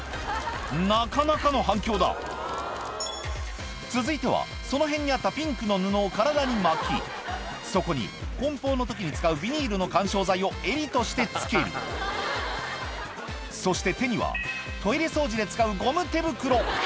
なかなかの反響だ続いてはその辺にあったピンクの布を体に巻きそこに梱包の時に使うビニールの緩衝材を襟として付けるそして手にはトイレ掃除で使うゴム手袋